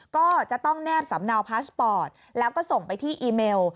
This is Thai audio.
ก็จะต้องแนบสำเนาพาสปอร์ตแล้วก็ส่งไปที่อีเมล